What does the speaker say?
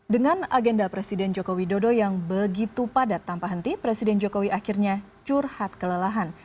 dengan agenda presiden joko widodo yang begitu padat tanpa henti presiden jokowi akhirnya curhat kelelahan